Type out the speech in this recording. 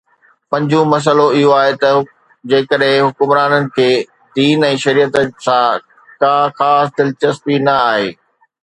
پنجون مسئلو اهو آهي ته جيڪڏهن حڪمرانن کي دين ۽ شريعت سان ڪا خاص دلچسپي نه آهي